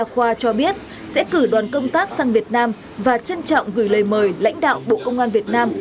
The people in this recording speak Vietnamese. khoa cho biết sẽ cử đoàn công tác sang việt nam và trân trọng gửi lời mời lãnh đạo bộ công an việt nam